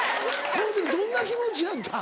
この時どんな気持ちやったん？